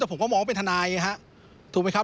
แต่ผมก็มองว่าเป็นทนายไงฮะถูกไหมครับ